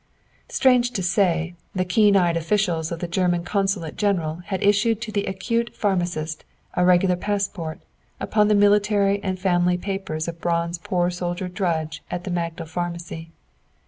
Strange to say, the keen eyed officials of the German Consulate General had issued to the acute pharmacist a regular passport, upon the military and family papers of Braun's poor soldier drudge at the Magdal Pharmacy.